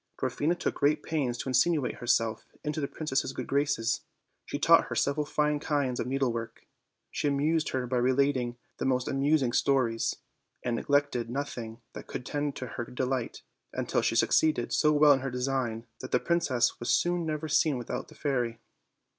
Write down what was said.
Dwarfina took great pains to insinuate herself into the princess' good graces; she taught her several fine kinds of needlework; she amused her by relating the most amus ing stories, and neglected nothing that could tend to her delight, until she succeeded so well in her design that the princess soon was never seen without the fairy.